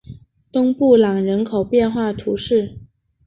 东布朗人口变化图示